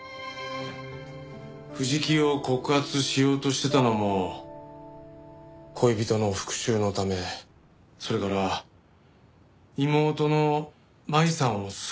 藤木を告発しようとしてたのも恋人の復讐のためそれから妹の舞さんを救うため。